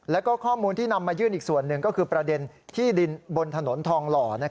แล้วก็ข้อมูลที่นำมายื่นอีกส่วนหนึ่งก็คือประเด็นที่ดินบนถนนทองหล่อ